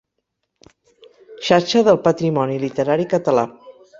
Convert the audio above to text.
Xarxa del Patrimoni Literari Català.